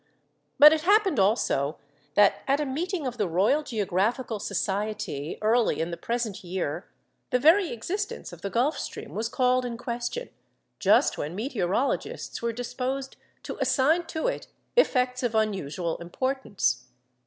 But it happened also that at a meeting of the Royal Geographical Society early in the present year the very existence of the Gulf Stream was called in question, just when meteorologists were disposed to assign to it effects of unusual importance.